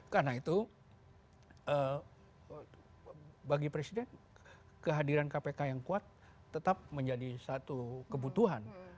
karena itu bagi presiden kehadiran kpk yang kuat tetap menjadi satu kebutuhan